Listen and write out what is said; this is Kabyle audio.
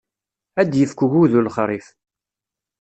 Ad d-yefk ugudu lexṛif.